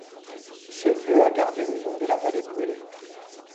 Ce lieu a gardé le nom de la vallée brûlée.